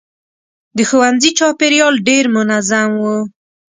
د ښوونځي چاپېریال ډېر منظم و.